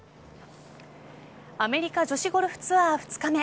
アメリカ女子ゴルフツアー２日目。